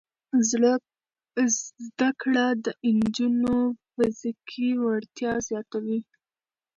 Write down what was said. زده کړه د نجونو فزیکي وړتیا زیاتوي.